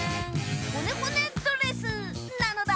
ほねほねドレスなのだ！